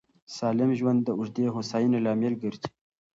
سالم ژوند د اوږدې هوساینې لامل ګرځي.